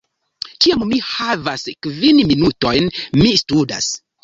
Kiam mi havas kvin minutojn, mi studas